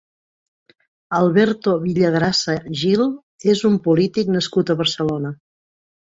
Alberto Villagrasa Gil és un polític nascut a Barcelona.